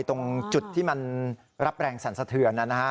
ตรงจุดที่มันรับแรงสั่นสะเทือนนะฮะ